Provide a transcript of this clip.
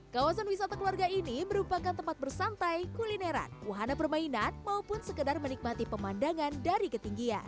kawasan wisata keluarga ini merupakan tempat bersantai kulineran wahana permainan maupun sekedar menikmati pemandangan dari ketinggian